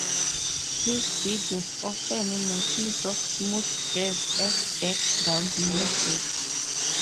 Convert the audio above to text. His videos often make use of smooth jazz as background music.